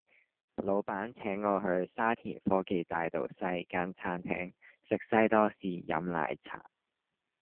老闆請我去沙田科技大道西間餐廳食西多士飲奶茶